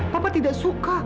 papa tidak suka